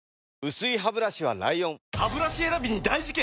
薄いハブラシは ＬＩＯＮハブラシ選びに大事件！